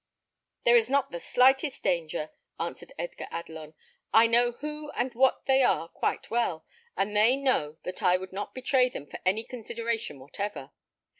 "There is not the slightest danger," answered Edgar Adelon. "I know who and what they are quite well; and they know that I would not betray them for any consideration whatever.